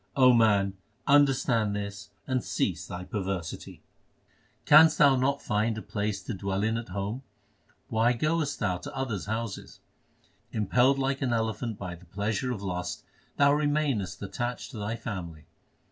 O man, understand this and cease thy perversity. 1 Dudr in the original. 398 THE SIKH RELIGION Canst thou not find a place to dwell in at home ? why goest thou to others houses ? l Impelled like an elephant by the pleasure of lust, thou remainest attached to thy family.